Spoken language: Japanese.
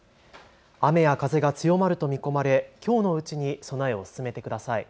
雨や風が強まると見込まれきょうのうちに備えを進めてください。